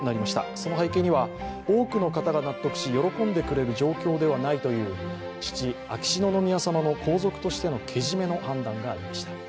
その背景には、多くの方が納得し喜んでくれる状況ではないという父・秋篠宮さまの皇族としてのけじめの判断がありました。